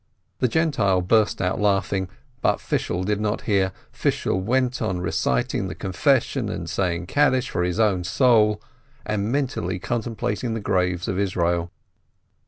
The Gentile burst out laughing, but Fishel did not hear, Fishel went on reciting the Confession, saying Kaddish for his own soul, and mentally contemplating the graves of Israel